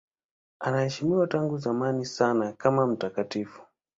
Anaheshimiwa tangu zamani sana kama mtakatifu.